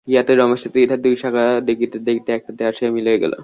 ইহাতে রমেশের দ্বিধার দুই শাখা দেখিতে দেখিতে একটাতে আসিয়া মিলিয়া গেল।